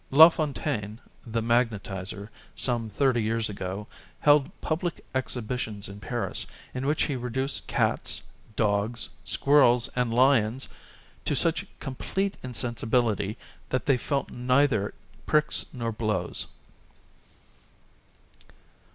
Lafontaine, the magnetizer, some thirty years ago held public exhibitions in Paris in which he reduced cats, dogs, squirrels and lions to such complete insensibility that they felt neither pricks nor blows.